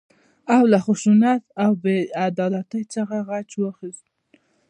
او له خشونت او بې عدالتۍ څخه غچ واخيست.